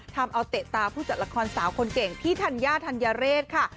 ทำเอาเตะตาผู้จัดละครสาวคนเก่งพี่ธัญญาธัญเรศค่ะ